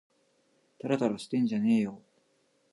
たらたらしてんじゃねぇよ